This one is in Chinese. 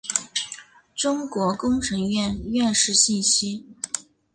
中国工程院院士信息